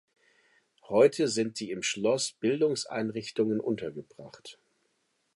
Heute sind die im Schloss Bildungseinrichtungen untergebracht.